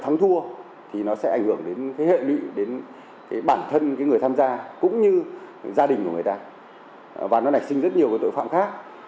người tham gia cũng như gia đình của người ta và nó nạch sinh rất nhiều tội phạm khác